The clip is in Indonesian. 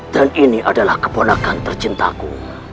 dan ini adalah keponakan tercintaku